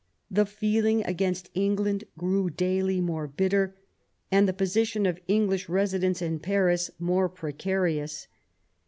The feeling against Eng land grew daily more bitter, and the position of English residents in Paris more precarious.